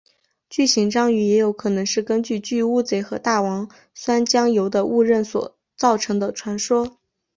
巨型章鱼也有可能是根据巨乌贼和大王酸浆鱿的误认所造成的传说。